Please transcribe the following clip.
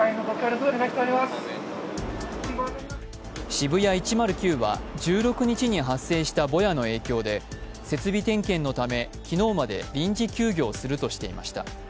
ＳＨＩＢＵＹＡ１０９は１６日に発生したぼやの影響で設備点検のため昨日まで臨時休業するとしていました。